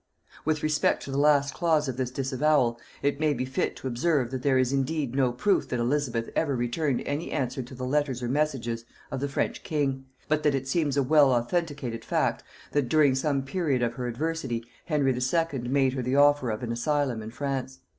With respect to the last clause of this disavowal, it may be fit to observe, that there is indeed no proof that Elizabeth ever returned any answer to the letters or messages of the French king; but that it seems a well authenticated fact, that during some period of her adversity Henry II. made her the offer of an asylum in France.